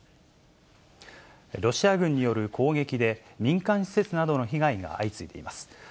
ロシア軍による攻撃で、民間施設などの被害が相次いでいます。